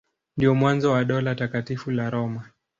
Ndio mwanzo wa Dola Takatifu la Roma.